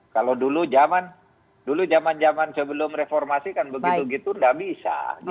kalau dulu zaman dulu zaman zaman sebelum reformasi kan begitu begitu nggak bisa